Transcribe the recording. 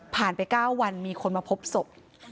ไป๙วันมีคนมาพบศพ